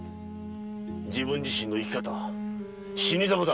自分自身の生き方死にザマだ。